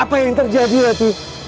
apa yang terjadi ratih